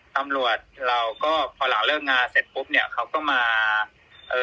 ตำรวจเราก็พอหลังเลิกงานเสร็จปุ๊บเนี่ยเขาก็มาเอ่อ